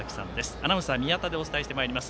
アナウンサー宮田でお伝えします。